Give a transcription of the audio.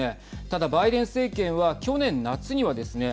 ただ、バイデン政権は去年、夏にはですね